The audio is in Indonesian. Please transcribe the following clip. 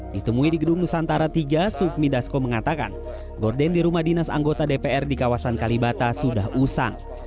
ditemui di gedung nusantara tiga sukmi dasko mengatakan gorden di rumah dinas anggota dpr di kawasan kalibata sudah usang